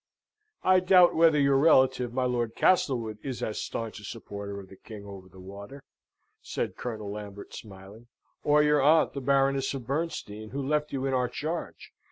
"I doubt whether your relative, my Lord Castlewood, is as staunch a supporter of the king over the water," said Colonel Lambert, smiling: "or your aunt, the Baroness of Bernstein, who left you in our charge.